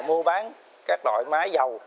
mua bán các loại máy dầu